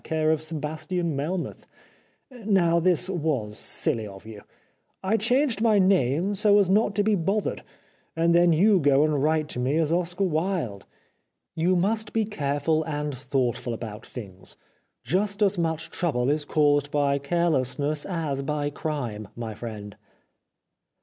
Care of Sebastian Melmoth. Now, this was silly of you. I changed my name so as not to be bothered, and then you go and write to me as Oscar Wilde. You must be careful and thought ful about things. Just as much trouble is caused by carelessness as by crime, my friend."